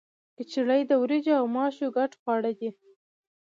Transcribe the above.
کچړي د وریجو او ماشو ګډ خواړه دي.